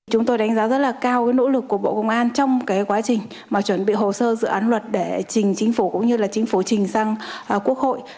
chúng tôi đánh giá rất là cao nỗ lực của bộ công an trong quá trình chuẩn bị hồ sơ dự án luật để trình chính phủ cũng như là chính phủ trình sang quốc hội